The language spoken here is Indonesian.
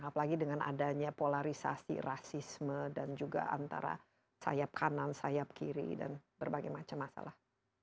apalagi dengan adanya polarisasi rasisme dan juga antara sayap kanan sayap kiri dan berbagai macam masalah